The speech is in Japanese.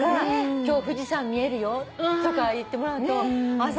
「今日富士山見えるよ」とか言ってもらうと挨拶